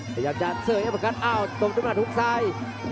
ขยับจากเซอร์อัพเกิร์ตอ้าวตกมาทุกซ้าย